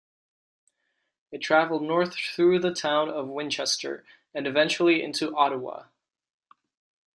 It traveled north through the town of Winchester, and eventually into Ottawa.